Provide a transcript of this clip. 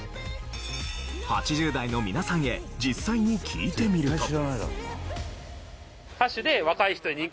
８０代の皆さんへ実際に聞いてみると。